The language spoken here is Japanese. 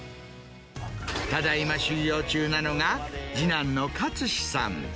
ただいま修業中なのが、次男の克士さん。